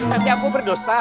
nanti aku berdosa